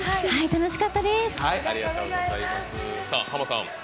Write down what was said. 楽しかったです。